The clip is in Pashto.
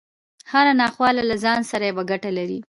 هره ناخواله له ځان سره يوه ګټه لري.